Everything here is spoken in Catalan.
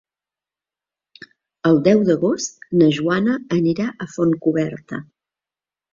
El deu d'agost na Joana anirà a Fontcoberta.